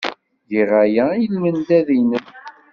Giɣ aya i lmendad-nnem.